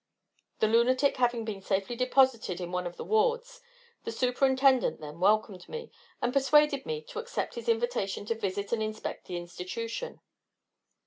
The lunatic having been safely deposited in one of the wards, the Superintendent then welcomed me, and persuaded me to accept his invitation to visit and inspect the institution.